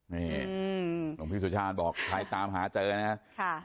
นี่หลวงพี่สุชาติบอกใครตามหาเจอนะครับ